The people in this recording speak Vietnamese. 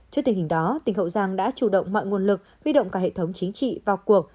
trước tình hình đó tỉnh hậu giang đã chủ động mọi nguồn lực huy động cả hệ thống chính trị vào cuộc